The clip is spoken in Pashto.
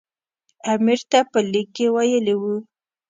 امیر ته په لیک کې ویلي وو.